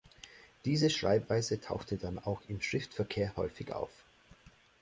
Diese Schreibweise tauchte dann auch im Schriftverkehr häufig auf.